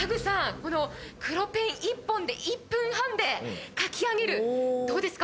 この黒ペン１本で１分半で描き上げるどうですか？